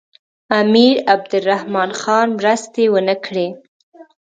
امیر عبدالرحمن خان مرستې ونه کړې.